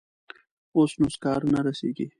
اوس نو سکاره نه رسیږي.